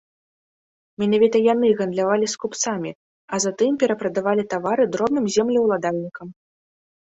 Менавіта яны гандлявалі з купцамі, а затым перапрадавалі тавары дробным землеўладальнікам.